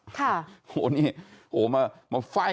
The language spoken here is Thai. โหมาไฟกัน